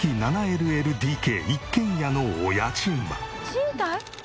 賃貸？